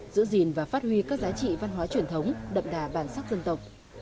giữ gìn và phát huy các giá trị văn hóa truyền thống đậm đà bản sắc dân tộc